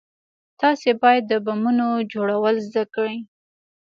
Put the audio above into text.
تاسې بايد د بمونو جوړول زده کئ.